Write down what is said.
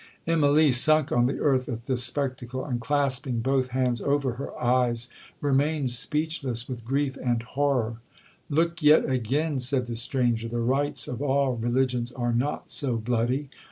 'Immalee sunk on the earth at this spectacle, and clasping both hands over her eyes, remained speechless with grief and horror. 'Look yet again,' said the stranger, 'the rites of all religions are not so bloody.'